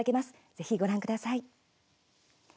ぜひご覧ください。